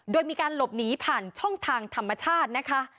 โดยมีการหลบหนีผ่านช่องทางธรรมชาตินะคะ